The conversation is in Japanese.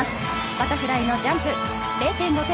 バタフライのジャンプ０．５点。